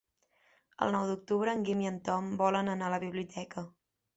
El nou d'octubre en Guim i en Tom volen anar a la biblioteca.